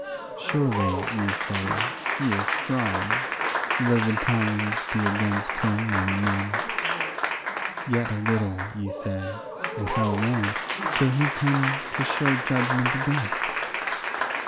Surely, ye say, he is strong, though the times be against him and men; Yet a little, ye say, and how long, till he come to show judgment again?